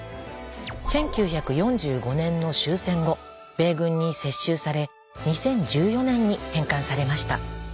１９４５年の終戦後米軍に接収され２０１４年に返還されました